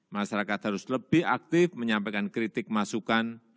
masyarakat harus lebih aktif menyampaikan kritik masukan